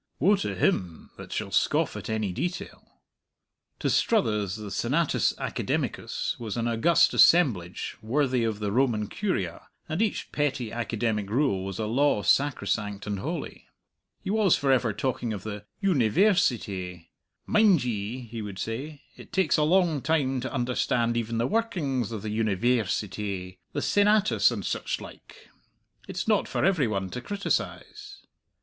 Woe to him that shall scoff at any detail! To Struthers the Senatus Academicus was an august assemblage worthy of the Roman Curia, and each petty academic rule was a law sacrosanct and holy. He was for ever talking of the "Univairsity." "Mind ye," he would say, "it takes a long time to understand even the workings of the Univairsity the Senatus and such like; it's not for every one to criticize."